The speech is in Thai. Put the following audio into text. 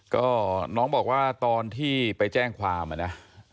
ก็น้องบอกว่าตอนที่ไปแจ้งความนะ